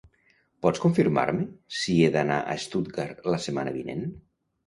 Pots confirmar-me si he d'anar a Stuttgart la setmana vinent?